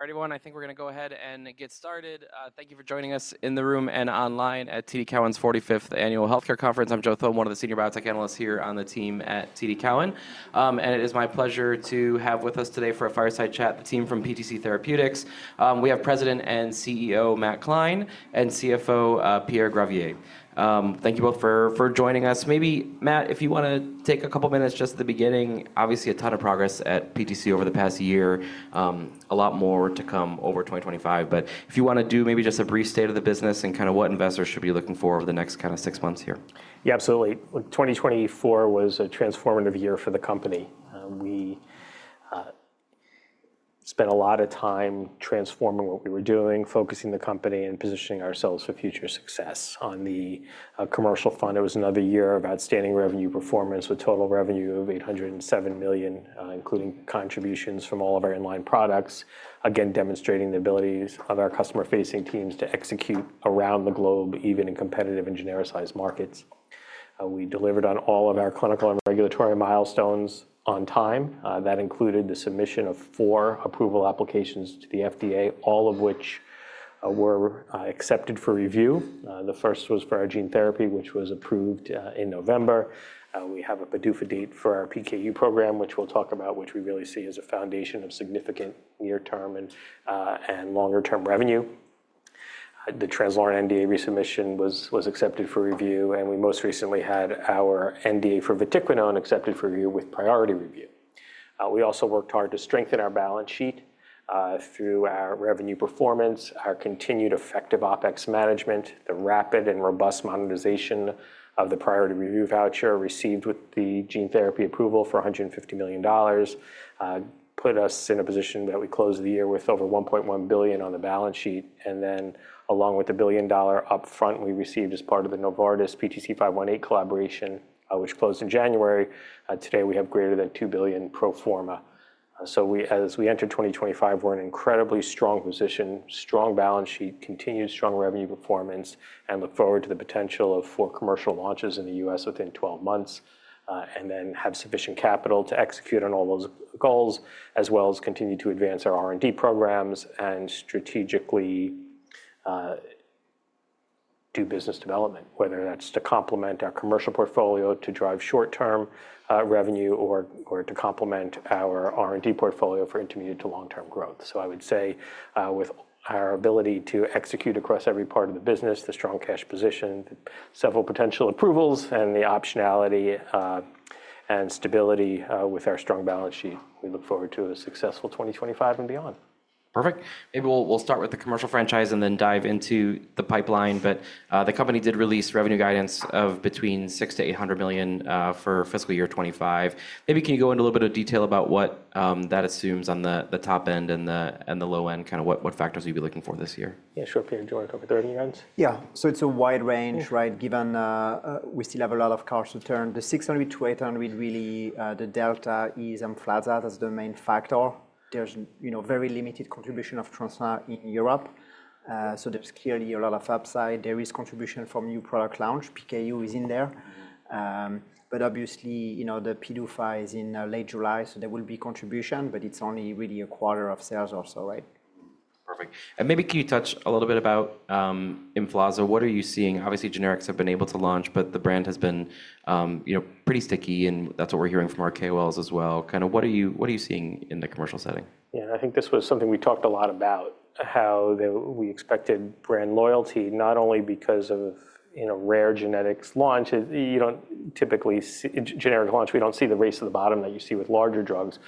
Everyone, I think we're going to go ahead and get started. Thank you for joining us in the room and online at TD Cowen's 45th Annual Healthcare Conference. I'm Joe Thome, one of the senior biotech analysts here on the team at TD Cowen. And it is my pleasure to have with us today for a fireside chat the team from PTC Therapeutics. We have President and CEO Matt Klein; and CFO Pierre Gravier. Thank you both for joining us. Maybe, Matt, if you want to take a couple of minutes just at the beginning. Obviously, a ton of progress at PTC over the past year, a lot more to come over 2025. But if you want to do maybe just a brief state of the business and kind of what investors should be looking for over the next kind of six months here. Yeah, absolutely. 2024 was a transformative year for the company. We spent a lot of time transforming what we were doing, focusing the company and positioning ourselves for future success. On the commercial front, it was another year of outstanding revenue performance with total revenue of $807 million, including contributions from all of our inline products, again demonstrating the abilities of our customer-facing teams to execute around the globe, even in competitive and genericized markets. We delivered on all of our clinical and regulatory milestones on time. That included the submission of four approval applications to the FDA, all of which were accepted for review. The first was for our gene therapy, which was approved in November. We have a PDUFA date for our PKU program, which we'll talk about, which we really see as a foundation of significant near-term and longer-term revenue. The Translarna NDA resubmission was accepted for review, and we most recently had our NDA for vatiquinone accepted for review with priority review. We also worked hard to strengthen our balance sheet through our revenue performance, our continued effective OpEx management, the rapid and robust monetization of the priority review voucher received with the gene therapy approval for $150 million. Put us in a position that we closed the year with over $1.1 billion on the balance sheet. And then, along with the billion-dollar upfront we received as part of the Novartis PTC518 collaboration, which closed in January. Today we have greater than $2 billion pro forma, so as we enter 2025, we're in an incredibly strong position, strong balance sheet, continued strong revenue performance, and look forward to the potential of four commercial launches in the U.S. within 12 months. And then have sufficient capital to execute on all those goals, as well as continue to advance our R&D programs and strategically do business development, whether that's to complement our commercial portfolio to drive short-term revenue or to complement our R&D portfolio for intermediate to long-term growth. So I would say with our ability to execute across every part of the business, the strong cash position, several potential approvals, and the optionality and stability with our strong balance sheet, we look forward to a successful 2025 and beyond. Perfect. Maybe we'll start with the commercial franchise and then dive into the pipeline. But the company did release revenue guidance of between $600 million-$800 million for fiscal year 2025. Maybe can you go into a little bit of detail about what that assumes on the top end and the low end, kind of what factors we'd be looking for this year? Yeah, sure. Can you join with the revenue guidance? Yeah. So it's a wide range, right? Given we still have a lot of cards to turn, the $600 million-$800 million, really the delta is on flat year as the main factor. There's very limited contribution of Translarna in Europe. So there's clearly a lot of upside. There is contribution from new product launch. PKU is in there. But obviously, the PDUFA is in late July, so there will be contribution, but it's only really a quarter of sales or so, right? Perfect. And maybe can you touch a little bit about Emflaza? What are you seeing? Obviously, generics have been able to launch, but the brand has been pretty sticky, and that's what we're hearing from our KOLs as well. Kind of what are you seeing in the commercial setting? Yeah, I think this was something we talked a lot about, how we expected brand loyalty, not only because of rare disease launch. Generic launch, we don't see the race to the bottom that you see with larger drugs.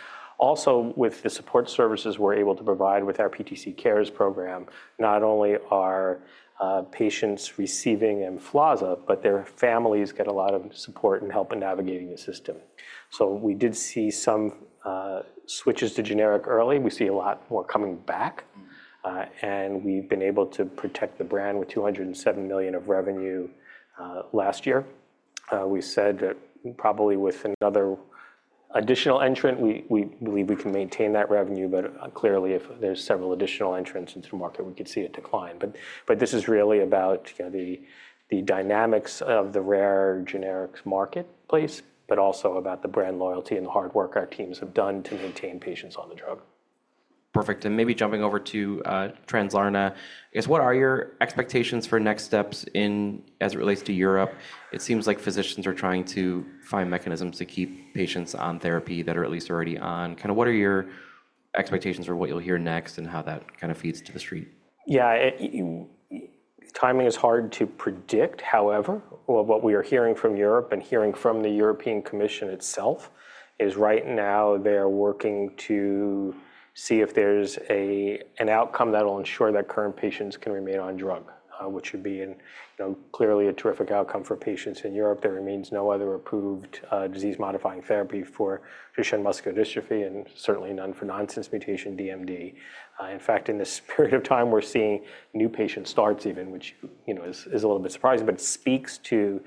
Also, with the support services we're able to provide with our PTC Cares program, not only are patients receiving Emflaza, but their families get a lot of support and help in navigating the system. So we did see some switches to generic early. We see a lot more coming back, and we've been able to protect the brand with $207 million of revenue last year. We said that probably with another additional entrant, we believe we can maintain that revenue, but clearly if there's several additional entrants into the market, we could see a decline. But this is really about the dynamics of the rare generics marketplace, but also about the brand loyalty and the hard work our teams have done to maintain patients on the drug. Perfect. And maybe jumping over to Translarna, I guess what are your expectations for next steps as it relates to Europe? It seems like physicians are trying to find mechanisms to keep patients on therapy that are at least already on. Kind of what are your expectations for what you'll hear next and how that kind of feeds to the street? Yeah, timing is hard to predict. However, what we are hearing from Europe and hearing from the European Commission itself is right now they're working to see if there's an outcome that will ensure that current patients can remain on drug, which would be clearly a terrific outcome for patients in Europe. There remains no other approved disease-modifying therapy for Duchenne muscular dystrophy and certainly none for nonsense mutation DMD. In fact, in this period of time, we're seeing new patient starts even, which is a little bit surprising, but speaks to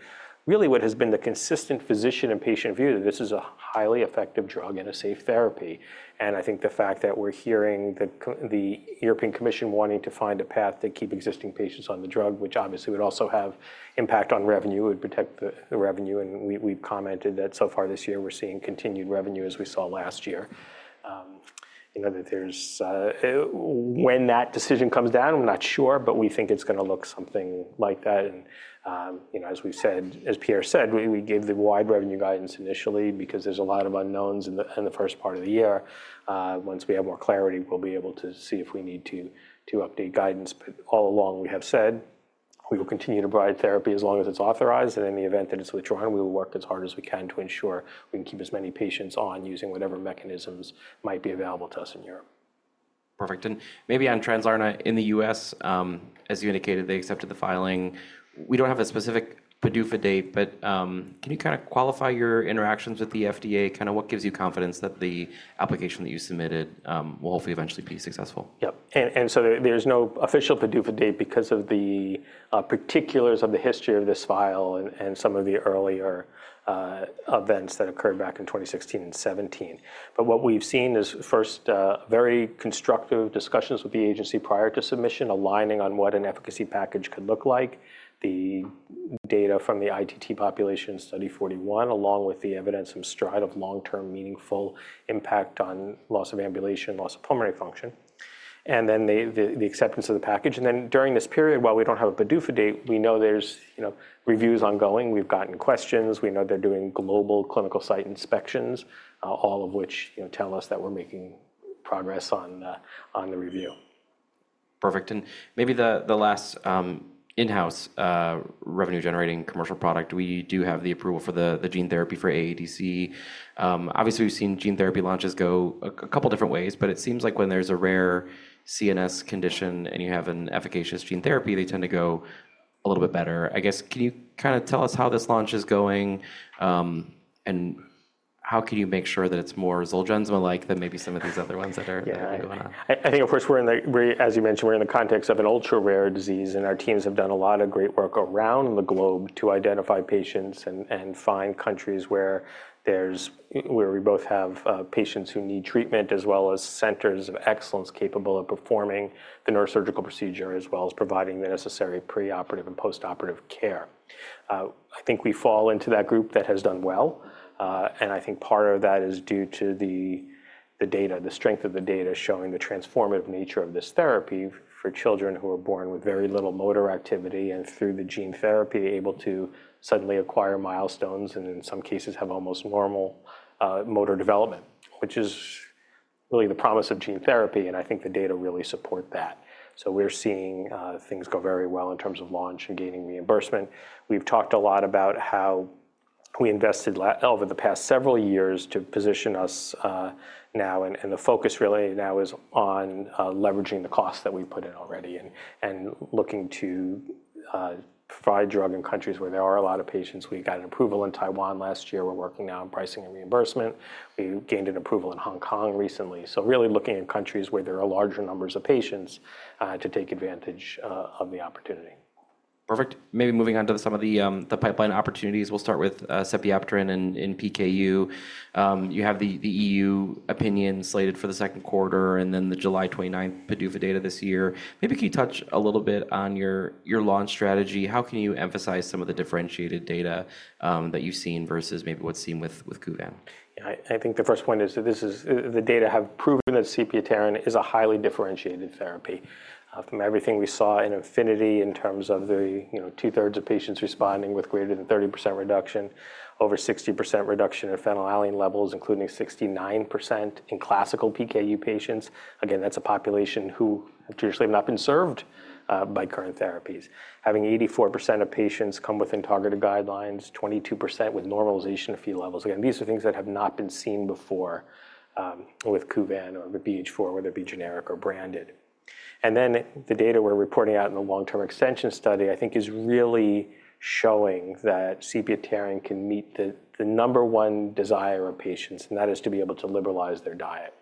really what has been the consistent physician and patient view that this is a highly effective drug and a safe therapy, and I think the fact that we're hearing the European Commission wanting to find a path to keep existing patients on the drug, which obviously would also have impact on revenue, would protect the revenue. We've commented that so far this year we're seeing continued revenue as we saw last year. When that decision comes down, I'm not sure, but we think it's going to look something like that. As we've said, as Pierre said, we gave the wide revenue guidance initially because there's a lot of unknowns in the first part of the year. Once we have more clarity, we'll be able to see if we need to update guidance. All along we have said we will continue to provide therapy as long as it's authorized. In the event that it's withdrawn, we will work as hard as we can to ensure we can keep as many patients on using whatever mechanisms might be available to us in Europe. Perfect. And maybe on Translarna in the U.S., as you indicated, they accepted the filing. We don't have a specific PDUFA date, but can you kind of qualify your interactions with the FDA? Kind of what gives you confidence that the application that you submitted will hopefully eventually be successful? Yep. And so there's no official PDUFA date because of the particulars of the history of this file and some of the earlier events that occurred back in 2016 and 2017. But what we've seen is first very constructive discussions with the agency prior to submission, aligning on what an efficacy package could look like, the data from the ITT population study '41, along with the evidence from STRIDE of long-term meaningful impact on loss of ambulation, loss of pulmonary function, and then the acceptance of the package. And then during this period, while we don't have a PDUFA date, we know there's reviews ongoing. We've gotten questions. We know they're doing global clinical site inspections, all of which tell us that we're making progress on the review. Perfect. And maybe the last in-house revenue-generating commercial product, we do have the approval for the gene therapy for AADC. Obviously, we've seen gene therapy launches go a couple of different ways, but it seems like when there's a rare CNS condition and you have an efficacious gene therapy, they tend to go a little bit better. I guess can you kind of tell us how this launch is going and how can you make sure that it's more Zolgensma-like than maybe some of these other ones that are going on? I think, of course, as you mentioned, we're in the context of an ultra-rare disease, and our teams have done a lot of great work around the globe to identify patients and find countries where we both have patients who need treatment as well as centers of excellence capable of performing the neurosurgical procedure as well as providing the necessary preoperative and postoperative care. I think we fall into that group that has done well. And I think part of that is due to the data, the strength of the data showing the transformative nature of this therapy for children who are born with very little motor activity and through the gene therapy able to suddenly acquire milestones and in some cases have almost normal motor development, which is really the promise of gene therapy. And I think the data really support that. We're seeing things go very well in terms of launch and gaining reimbursement. We've talked a lot about how we invested over the past several years to position us now, and the focus really now is on leveraging the cost that we've put in already and looking to provide drug in countries where there are a lot of patients. We got an approval in Taiwan last year. We're working now on pricing and reimbursement. We gained an approval in Hong Kong recently. Really looking at countries where there are larger numbers of patients to take advantage of the opportunity. Perfect. Maybe moving on to some of the pipeline opportunities. We'll start with sepiapterin and PKU. You have the EU opinion slated for the second quarter and then the July 29th PDUFA date this year. Maybe can you touch a little bit on your launch strategy? How can you emphasize some of the differentiated data that you've seen versus maybe what's seen with Kuvan? Yeah, I think the first point is that the data have proven that sepiapterin is a highly differentiated therapy. From everything we saw in APHENITY in terms of the two-thirds of patients responding with greater than 30% reduction, over 60% reduction in phenylalanine levels, including 69% in classical PKU patients. Again, that's a population who traditionally have not been served by current therapies. Having 84% of patients come within targeted guidelines, 22% with normalization of Phe levels. Again, these are things that have not been seen before with Kuvan or BH4, whether it be generic or branded. And then the data we're reporting out in the long-term extension study, I think, is really showing that sepiapterin can meet the number one desire of patients, and that is to be able to liberalize their diet.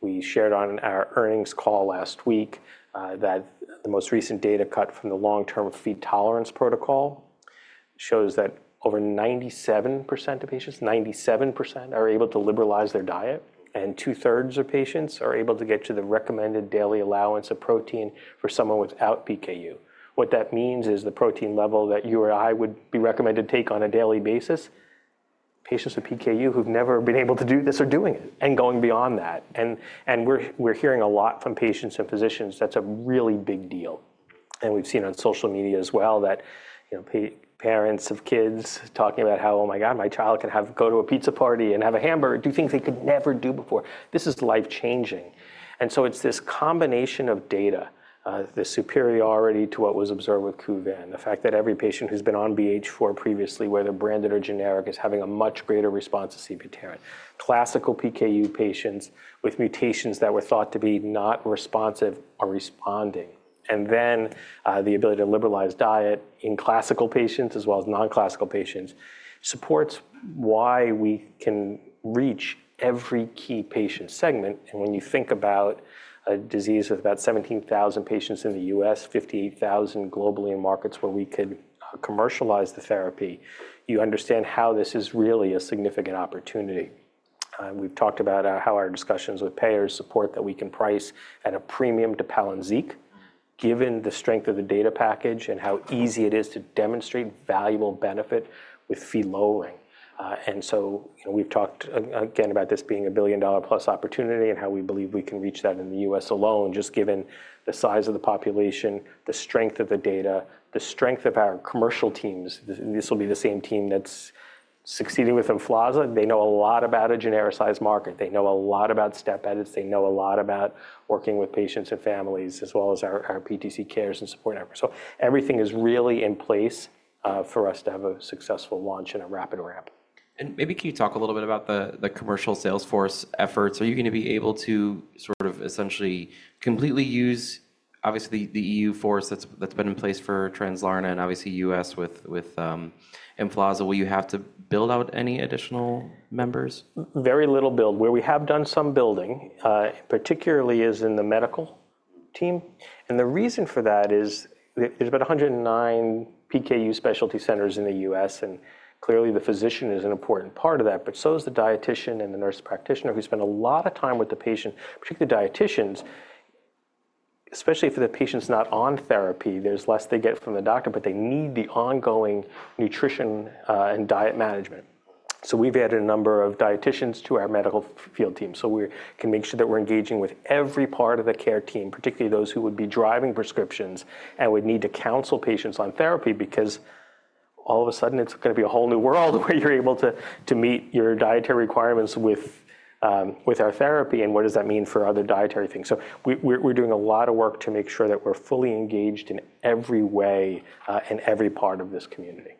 We shared on our earnings call last week that the most recent data cut from the long-term feed tolerance protocol shows that over 97% of patients, 97%, are able to liberalize their diet, and two-thirds of patients are able to get to the recommended daily allowance of protein for someone without PKU. What that means is the protein level that you or I would be recommended to take on a daily basis, patients with PKU who've never been able to do this are doing it and going beyond that. And we're hearing a lot from patients and physicians. That's a really big deal. And we've seen on social media as well that parents of kids talking about how, "Oh my God, my child can go to a pizza party and have a hamburger", do things they could never do before. This is life-changing. And so it's this combination of data, the superiority to what was observed with Kuvan, the fact that every patient who's been on BH4 previously, whether branded or generic, is having a much greater response to sepiapterin. Classical PKU patients with mutations that were thought to be not responsive are responding. And when you think about a disease with about 17,000 patients in the U.S., 58,000 globally in markets where we could commercialize the therapy, you understand how this is really a significant opportunity. We've talked about how our discussions with payers support that we can price at a premium to Palynziq given the strength of the data package and how easy it is to demonstrate valuable benefit with Phe lowering. And so we've talked again about this being a billion-dollar-plus opportunity and how we believe we can reach that in the U.S. alone, just given the size of the population, the strength of the data, the strength of our commercial teams. This will be the same team that's succeeding with Emflaza. They know a lot about a genericized market. They know a lot about step edits. They know a lot about working with patients and families as well as our PTC Cares and support network. So everything is really in place for us to have a successful launch in a rapid ramp. Maybe can you talk a little bit about the commercial sales force efforts? Are you going to be able to sort of essentially completely use obviously the EU force that's been in place for Translarna and obviously U.S. with Emflaza? Will you have to build out any additional members? Very little build. Where we have done some building, particularly is in the medical team. And the reason for that is there's about 109 PKU specialty centers in the U.S., and clearly the physician is an important part of that, but so is the dietitian and the nurse practitioner who spend a lot of time with the patient, particularly the dietitians, especially for the patients not on therapy. There's less they get from the doctor, but they need the ongoing nutrition and diet management. So we've added a number of dieticians to our medical field team so we can make sure that we're engaging with every part of the care team, particularly those who would be driving prescriptions and would need to counsel patients on therapy because all of a sudden it's going to be a whole new world where you're able to meet your dietary requirements with our therapy and what does that mean for other dietary things. So we're doing a lot of work to make sure that we're fully engaged in every way and every part of this community.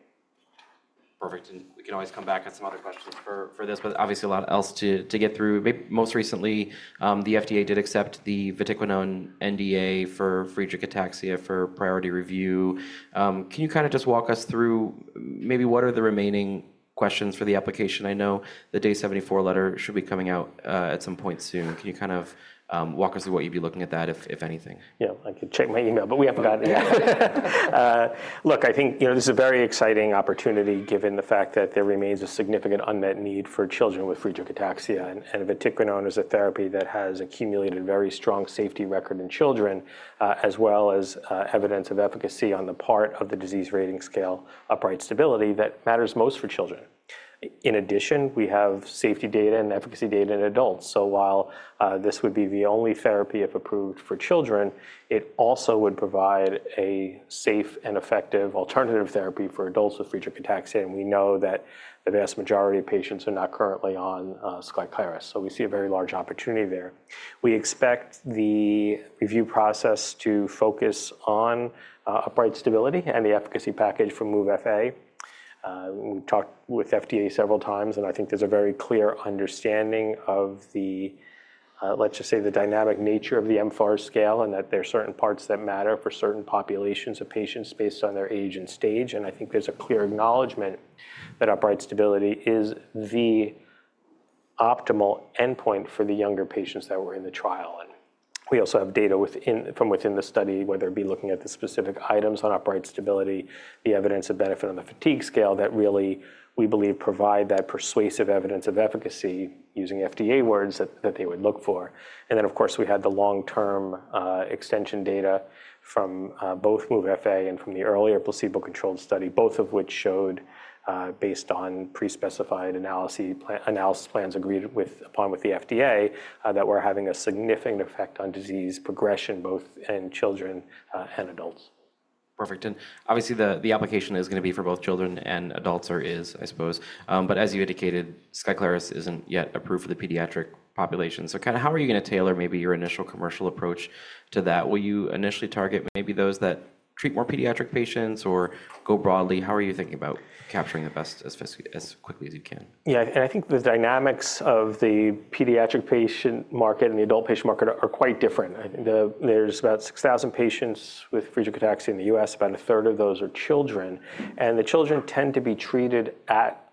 Perfect. And we can always come back on some other questions for this, but obviously a lot else to get through. Most recently, the FDA did accept the vatiquinone NDA for Friedreich ataxia for priority review. Can you kind of just walk us through maybe what are the remaining questions for the application? I know the Day 74 letter should be coming out at some point soon. Can you kind of walk us through what you'd be looking at that, if anything? Yeah, I could check my email, but we haven't gotten it yet. Look, I think this is a very exciting opportunity given the fact that there remains a significant unmet need for children with Friedreich ataxia. And vatiquinone is a therapy that has accumulated a very strong safety record in children, as well as evidence of efficacy on the part of the disease rating scale upright stability that matters most for children. In addition, we have safety data and efficacy data in adults. So while this would be the only therapy if approved for children, it also would provide a safe and effective alternative therapy for adults with Friedreich ataxia. And we know that the vast majority of patients are not currently on Skyclarys. So we see a very large opportunity there. We expect the review process to focus on upright stability and the efficacy package from MOVE FA. We talked with FDA several times, and I think there's a very clear understanding of the, let's just say, the dynamic nature of the mFARS scale and that there are certain parts that matter for certain populations of patients based on their age and stage. I think there's a clear acknowledgement that upright stability is the optimal endpoint for the younger patients that were in the trial. We also have data from within the study, whether it be looking at the specific items on upright stability, the evidence of benefit on the fatigue scale that really we believe provide that persuasive evidence of efficacy using FDA words that they would look for. And then, of course, we had the long-term extension data from both MOVE FA and from the earlier placebo-controlled study, both of which showed, based on pre-specified analysis plans agreed upon with the FDA, that we're having a significant effect on disease progression both in children and adults. Perfect, and obviously the application is going to be for both children and adults or is, I suppose. But as you indicated, Skyclarys isn't yet approved for the pediatric population. So kind of how are you going to tailor maybe your initial commercial approach to that? Will you initially target maybe those that treat more pediatric patients or go broadly? How are you thinking about capturing the best as quickly as you can? Yeah, and I think the dynamics of the pediatric patient market and the adult patient market are quite different. There's about 6,000 patients with Friedreich ataxia in the U.S. About a third of those are children. And the children tend to be treated at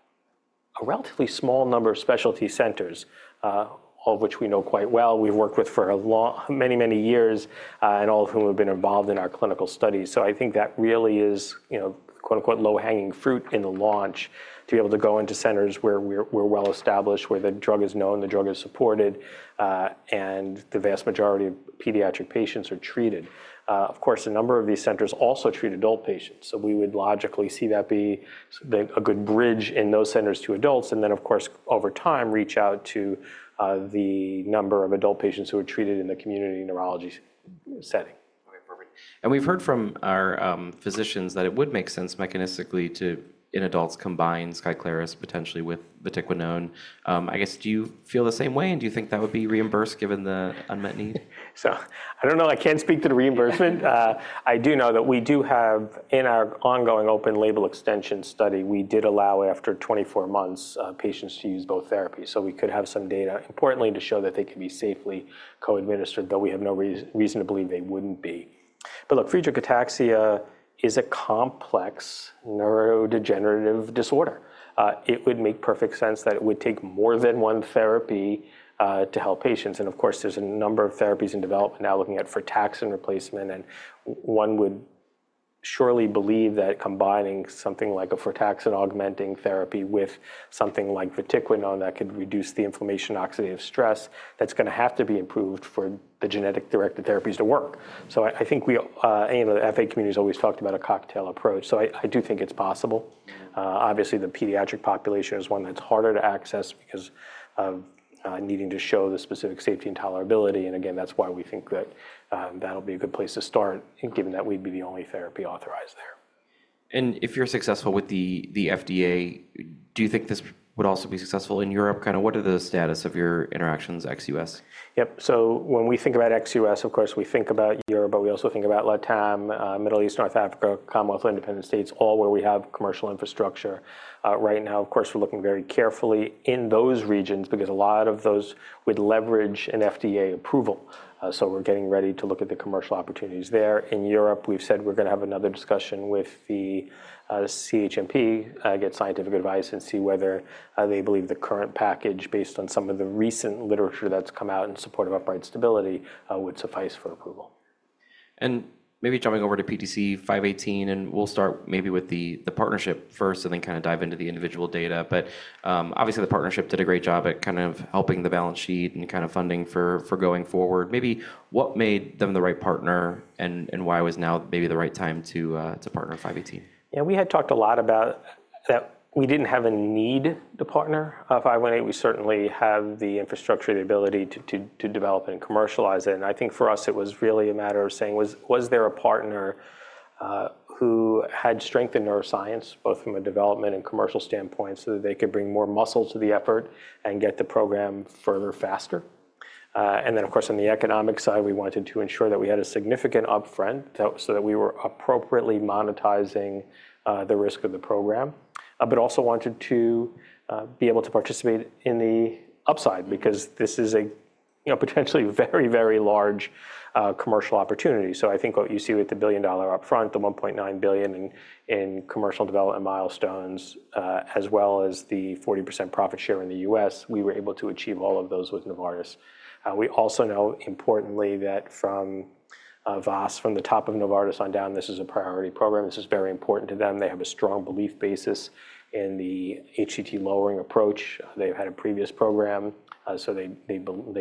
a relatively small number of specialty centers, all of which we know quite well. We've worked with for many, many years and all of whom have been involved in our clinical studies. So I think that really is "low-hanging fruit" in the launch to be able to go into centers where we're well established, where the drug is known, the drug is supported, and the vast majority of pediatric patients are treated. Of course, a number of these centers also treat adult patients. So we would logically see that be a good bridge in those centers to adults and then, of course, over time reach out to the number of adult patients who are treated in the community neurology setting. Okay, perfect. And we've heard from our physicians that it would make sense mechanistically to, in adults, combine Skyclarys potentially with vatiquinone. I guess, do you feel the same way and do you think that would be reimbursed given the unmet need? So I don't know. I can't speak to the reimbursement. I do know that we do have in our ongoing open label extension study, we did allow after 24 months patients to use both therapies. So we could have some data, importantly, to show that they could be safely co-administered, though we have no reason to believe they wouldn't be. But look, Friedreich ataxia is a complex neurodegenerative disorder. It would make perfect sense that it would take more than one therapy to help patients. And of course, there's a number of therapies in development now looking at frataxin replacement. And one would surely believe that combining something like a frataxin augmenting therapy with something like vatiquinone that could reduce the inflammation oxidative stress, that's going to have to be improved for the genetic-directed therapies to work. So I think the FA community has always talked about a cocktail approach. I do think it's possible. Obviously, the pediatric population is one that's harder to access because of needing to show the specific safety and tolerability. Again, that's why we think that that'll be a good place to start, given that we'd be the only therapy authorized there. If you're successful with the FDA, do you think this would also be successful in Europe? Kind of, what are the status of your interactions ex-U.S.? Yep. So when we think about ex-U.S., of course, we think about Europe, but we also think about LATAM, Middle East, North Africa, Commonwealth of Independent States, all where we have commercial infrastructure. Right now, of course, we're looking very carefully in those regions because a lot of those would leverage an FDA approval. So we're getting ready to look at the commercial opportunities there. In Europe, we've said we're going to have another discussion with the CHMP, get scientific advice and see whether they believe the current package based on some of the recent literature that's come out in support of upright stability would suffice for approval. Maybe jumping over to PTC518, and we'll start maybe with the partnership first and then kind of dive into the individual data. Obviously, the partnership did a great job at kind of helping the balance sheet and kind of funding for going forward. Maybe what made them the right partner and why was now maybe the right time to partner with PTC518? Yeah, we had talked a lot about that we didn't have a need to partner with 518. We certainly have the infrastructure, the ability to develop and commercialize it. And I think for us, it was really a matter of saying, was there a partner who had strength in neuroscience, both from a development and commercial standpoint, so that they could bring more muscle to the effort and get the program further faster? And then, of course, on the economic side, we wanted to ensure that we had a significant upfront so that we were appropriately monetizing the risk of the program, but also wanted to be able to participate in the upside because this is a potentially very, very large commercial opportunity. So I think what you see with the $1 billion upfront, the $1.9 billion in commercial development milestones, as well as the 40% profit share in the U.S., we were able to achieve all of those with Novartis. We also know, importantly, that from Vas, from the top of Novartis on down, this is a priority program. This is very important to them. They have a strong belief basis in the HTT lowering approach. They have had a previous program, so they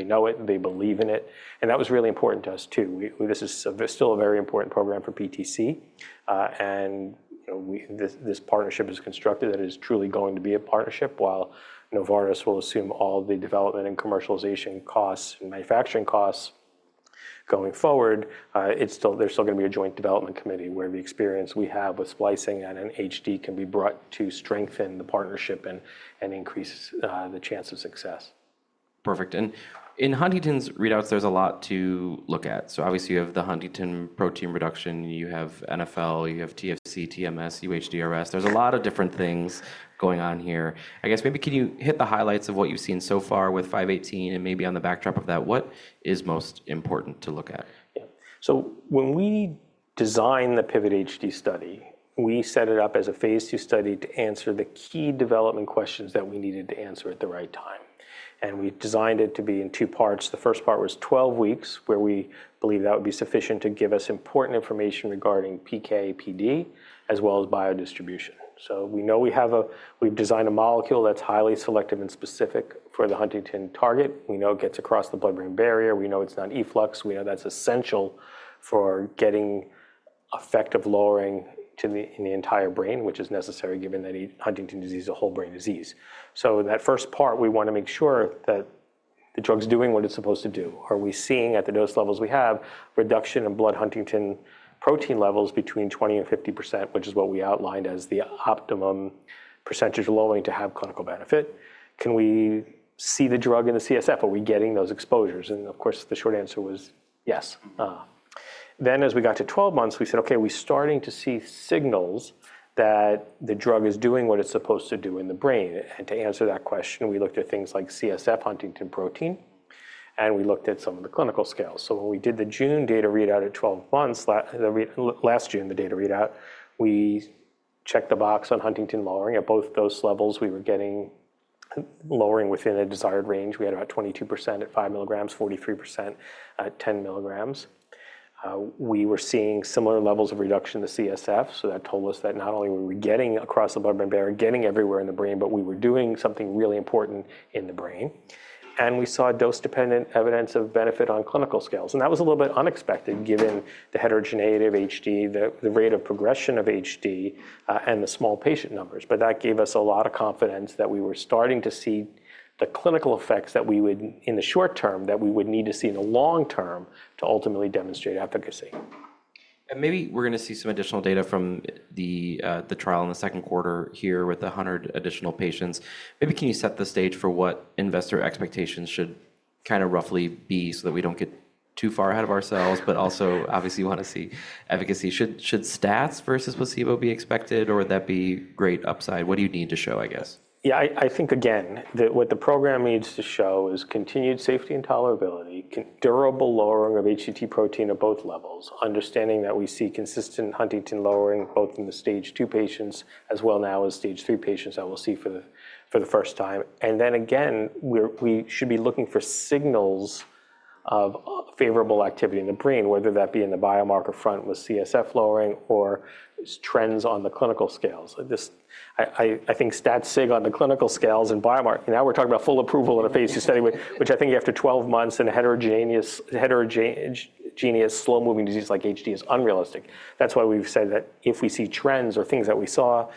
know it. They believe in it. And that was really important to us too. This is still a very important program for PTC. And this partnership is constructed that is truly going to be a partnership. While Novartis will assume all the development and commercialization costs and manufacturing costs going forward, there's still going to be a joint development committee where the experience we have with splicing and HD can be brought to strengthen the partnership and increase the chance of success. Perfect. And in Huntington's readouts, there's a lot to look at. So obviously, you have the Huntington protein reduction, you have NFL, you have TFC, TMS, UHDRS. There's a lot of different things going on here. I guess maybe can you hit the highlights of what you've seen so far with 518 and maybe on the backdrop of that, what is most important to look at? Yeah. So when we designed the PIVOT HD study, we set it up as a phase two study to answer the key development questions that we needed to answer at the right time. And we designed it to be in two parts. The first part was 12 weeks, where we believe that would be sufficient to give us important information regarding PK, PD, as well as biodistribution. So we know we've designed a molecule that's highly selective and specific for the Huntington target. We know it gets across the blood-brain barrier. We know it's not efflux. We know that's essential for getting effective lowering in the entire brain, which is necessary given that Huntington's disease is a whole brain disease. So that first part, we want to make sure that the drug's doing what it's supposed to do. Are we seeing at the dose levels we have reduction in blood Huntington protein levels between 20 and 50%, which is what we outlined as the optimum percentage lowering to have clinical benefit? Can we see the drug in the CSF? Are we getting those exposures? And of course, the short answer was yes. Then as we got to 12 months, we said, okay, we're starting to see signals that the drug is doing what it's supposed to do in the brain. And to answer that question, we looked at things like CSF Huntington protein, and we looked at some of the clinical scales. So when we did the June data readout at 12 months, last June, the data readout, we checked the box on Huntington lowering. At both those levels, we were getting lowering within a desired range. We had about 22% at five milligrams, 43% at 10 milligrams. We were seeing similar levels of reduction in the CSF, so that told us that not only were we getting across the blood-brain barrier, getting everywhere in the brain, but we were doing something really important in the brain, and we saw dose-dependent evidence of benefit on clinical scales, and that was a little bit unexpected given the heterogeneity of HD, the rate of progression of HD, and the small patient numbers, but that gave us a lot of confidence that we were starting to see the clinical effects that we would, in the short term, that we would need to see in the long term to ultimately demonstrate efficacy. Maybe we're going to see some additional data from the trial in the second quarter here with 100 additional patients. Maybe can you set the stage for what investor expectations should kind of roughly be so that we don't get too far ahead of ourselves, but also obviously want to see efficacy? Should stats versus placebo be expected, or would that be great upside? What do you need to show, I guess? Yeah, I think, again, that what the program needs to show is continued safety and tolerability, durable lowering of HTT protein at both levels, understanding that we see consistent huntingtin lowering both in the stage two patients as well now as stage three patients that we'll see for the first time. And then again, we should be looking for signals of favorable activity in the brain, whether that be in the biomarker front with CSF lowering or trends on the clinical scales. I think stat-sig on the clinical scales and biomarker, now we're talking about full approval in a phase 2 study, which I think after 12 months in a heterogeneous, slow-moving disease like HD is unrealistic. That's why we've said that if we see trends or things that we saw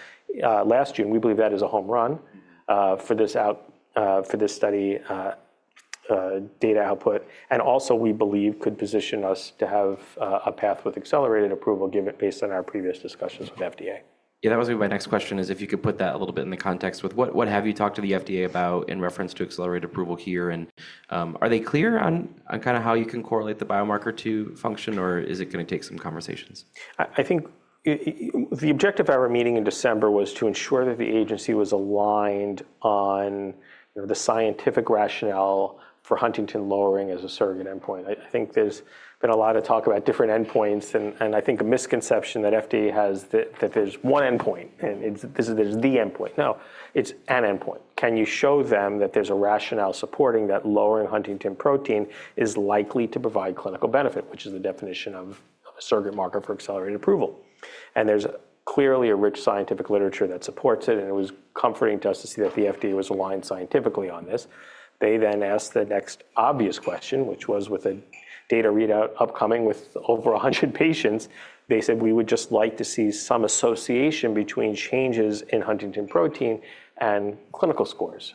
last June, we believe that is a home run for this study data output. And also, we believe could position us to have a path with accelerated approval given based on our previous discussions with FDA. Yeah, that was going to be my next question is if you could put that a little bit in the context with what have you talked to the FDA about in reference to accelerated approval here? And are they clear on kind of how you can correlate the biomarker to function, or is it going to take some conversations? I think the objective of our meeting in December was to ensure that the agency was aligned on the scientific rationale for huntingtin lowering as a surrogate endpoint. I think there's been a lot of talk about different endpoints. And I think a misconception that FDA has that there's one endpoint and there's the endpoint. No, it's an endpoint. Can you show them that there's a rationale supporting that lowering huntingtin protein is likely to provide clinical benefit, which is the definition of a surrogate marker for accelerated approval? And there's clearly a rich scientific literature that supports it. And it was comforting to us to see that the FDA was aligned scientifically on this. They then asked the next obvious question, which was, with a data readout upcoming with over 100 patients, they said, "we would just like to see some association between changes in huntingtin protein and clinical scores."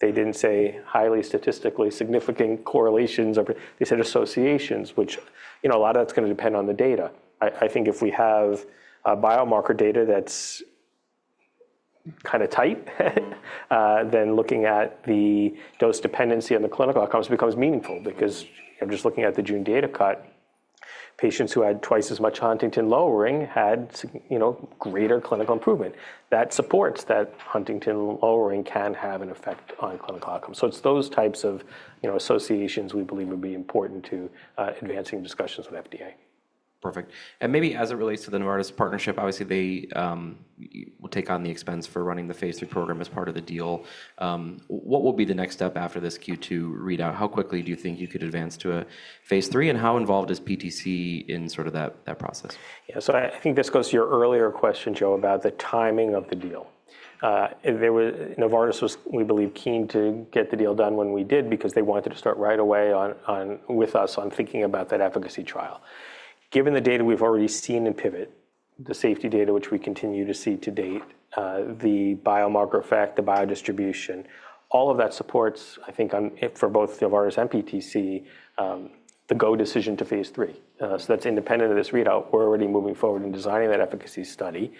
They didn't say highly statistically significant correlations. They said associations, which a lot of that's going to depend on the data. I think if we have biomarker data that's kind of tight, then looking at the dose dependency on the clinical outcomes becomes meaningful because just looking at the June data cut, patients who had twice as much huntingtin lowering had greater clinical improvement. That supports that huntingtin lowering can have an effect on clinical outcomes. So it's those types of associations we believe would be important to advancing discussions with FDA. Perfect, and maybe as it relates to the Novartis partnership, obviously they will take on the expense for running the phase 3 program as part of the deal. What will be the next step after this Q2 readout? How quickly do you think you could advance to a phase 3? And how involved is PTC in sort of that process? Yeah, so I think this goes to your earlier question, Joe, about the timing of the deal. Novartis was, we believe, keen to get the deal done when we did because they wanted to start right away with us on thinking about that efficacy trial. Given the data we've already seen in PIVOT, the safety data, which we continue to see to date, the biomarker effect, the biodistribution, all of that supports, I think for both Novartis and PTC, the go decision to phase three. So that's independent of this readout. We're already moving forward in designing that efficacy study.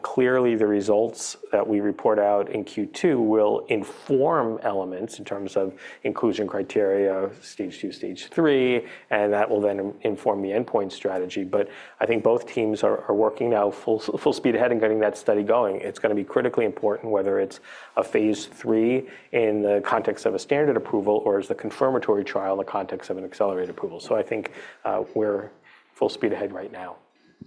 Clearly, the results that we report out in Q2 will inform elements in terms of inclusion criteria, stage two, stage three, and that will then inform the endpoint strategy. But I think both teams are working now full speed ahead and getting that study going. It's going to be critically important whether it's a phase 3 in the context of a standard approval or as the confirmatory trial in the context of an accelerated approval, so I think we're full speed ahead right now.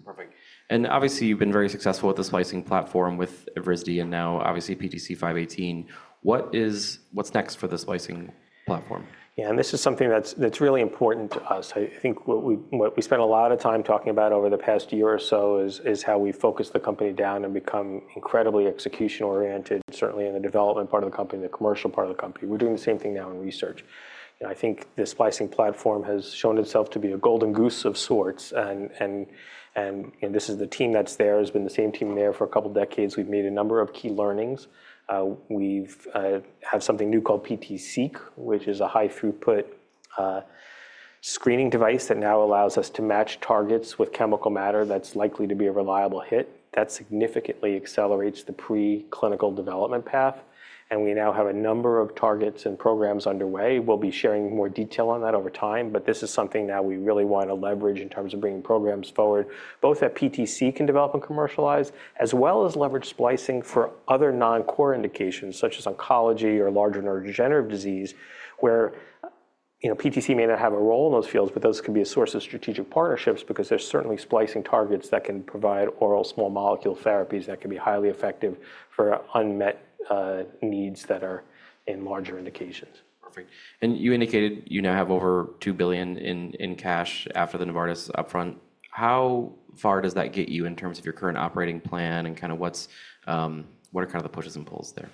Perfect. And obviously you've been very successful with the Splicing platform with Risdi and now obviously PTC518. What's next for the Splicing platform? Yeah, and this is something that's really important to us. I think what we spent a lot of time talking about over the past year or so is how we focus the company down and become incredibly execution-oriented, certainly in the development part of the company, the commercial part of the company. We're doing the same thing now in research. I think the Splicing platform has shown itself to be a golden goose of sorts. And this is the team that's there. It's been the same team there for a couple of decades. We've made a number of key learnings. We have something new called PTCeq, which is a high-throughput screening device that now allows us to match targets with chemical matter that's likely to be a reliable hit. That significantly accelerates the preclinical development path. And we now have a number of targets and programs underway. We'll be sharing more detail on that over time, but this is something that we really want to leverage in terms of bringing programs forward, both that PTC can develop and commercialize, as well as leverage splicing for other non-core indications such as oncology or larger neurodegenerative disease, where PTC may not have a role in those fields, but those can be a source of strategic partnerships because there's certainly splicing targets that can provide oral small molecule therapies that can be highly effective for unmet needs that are in larger indications. Perfect. And you indicated you now have over $2 billion in cash after the Novartis upfront. How far does that get you in terms of your current operating plan and kind of what are kind of the pushes and pulls there?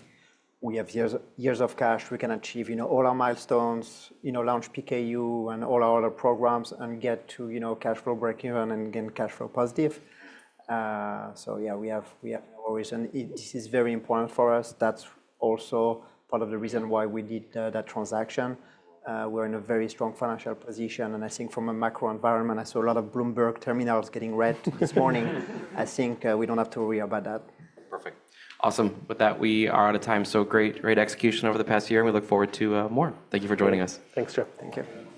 We have years of cash. We can achieve all our milestones, launch PKU and all our other programs and get to cash flow breakeven and gain cash flow positive. So yeah, we have our reason. This is very important for us. That's also part of the reason why we did that transaction. We're in a very strong financial position. And I think from a macro environment, I saw a lot of Bloomberg terminals getting red this morning. I think we don't have to worry about that. Perfect. Awesome. With that, we are out of time. So great execution over the past year, and we look forward to more. Thank you for joining us. Thanks, Joe. Thank you.